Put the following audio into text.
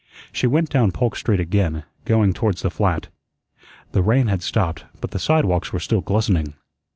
She went down Polk Street again, going towards the flat. The rain had stopped, but the sidewalks were still glistening.